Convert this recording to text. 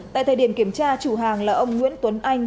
tại thời điểm kiểm tra chủ hàng là ông nguyễn tuấn anh